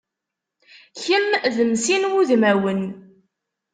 Kemm d mm sin wudmawen.